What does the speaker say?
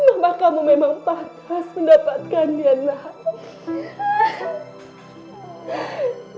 nama kamu memang patah mendapatkan dianak